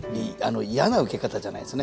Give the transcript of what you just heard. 嫌なウケ方じゃないんですね。